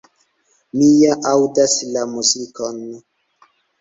Mi ja aŭdas la muzikon!